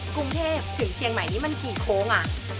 กรุงเทพถึงเชียงใหม่นี่มันกี่โค้งอ่ะ